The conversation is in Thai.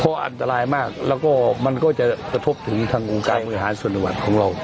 เพราะอันตรายมากแล้วก็มันก็จะกระทบถึงทางองค์การบริหารส่วนจังหวัดของเรา